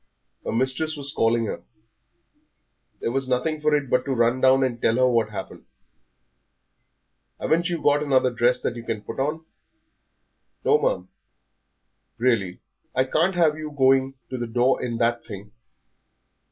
Her mistress was calling her; there was nothing for it but to run down and tell her what had happened. "Haven't you got another dress that you can put on?" "No, ma'am." "Really, I can't have you going to the door in that thing.